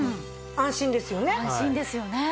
安心ですよね。